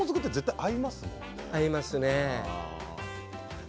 合いますね。